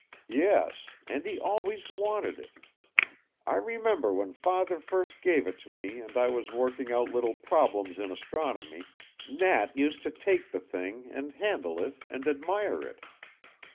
"Yes, and he always wanted it. I remember when father first gave it to me and I was working out little problems in astronomy, Nat used to take the thing and handle it and admire it.